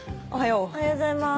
おはようございます。